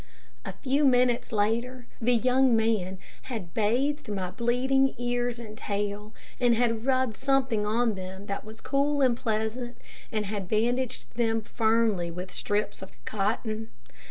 A few minutes later, the young man had bathed my bleeding ears and tail, and had rubbed something on them that was cool and pleasant, and had bandaged them firmly with strips of cotton.